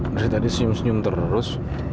masih tadi senyum senyum terus